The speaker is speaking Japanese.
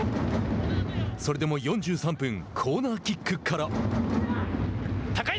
それでも４３分コーナーキックから。